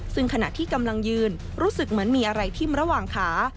ซึ่งขณะที่กำลังยืนรู้สึกเหมือนมีอะไรทิ้มระหว่างขา